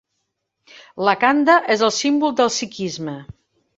La khanda és el símbol del sikhisme.